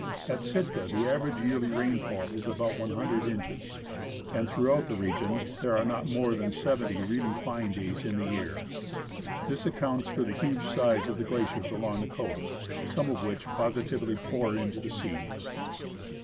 At Sitka the average yearly rainfall is about 100 inches, and throughout the region there are not more than seventy really fine days in the year. This accounts for the huge size of the glaciers along the coast, some of which positively pour into the sea.